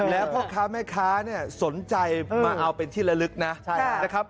แล้วพ่อค้าแม่ค้าเนี่ยสนใจมาเอาเป็นที่ละลึกนะนะครับ